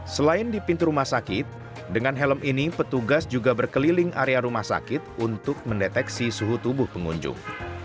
selain di pintu rumah sakit dengan helm ini petugas juga berkeliling area rumah sakit untuk mendeteksi suhu tubuh pengunjung